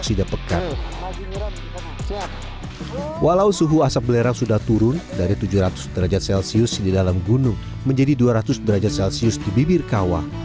walau suhu asap belerang sudah turun dari tujuh ratus derajat celcius di dalam gunung menjadi dua ratus derajat celcius di bibir kawah